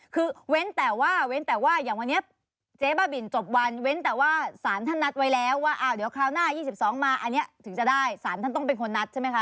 คือเว้นแต่ว่าเว้นแต่ว่าอย่างวันนี้เจ๊บ้าบินจบวันเว้นแต่ว่าสารท่านนัดไว้แล้วว่าอ้าวเดี๋ยวคราวหน้า๒๒มาอันนี้ถึงจะได้สารท่านต้องเป็นคนนัดใช่ไหมคะ